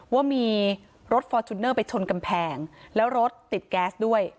ว่ามีรถฟอร์จูเนอร์ไปชนกำแพงแล้วรถติดแก๊สด้วย